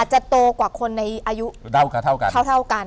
อาจจะโตกว่าคนในอายุเท่ากัน